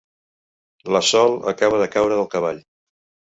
La Sol acaba de caure del cavall.